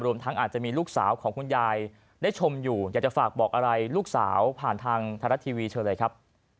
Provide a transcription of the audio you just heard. ทั้งอาจจะมีลูกสาวของคุณยายได้ชมอยู่อยากจะฝากบอกอะไรลูกสาวผ่านทางไทยรัฐทีวีเชิญเลยครับ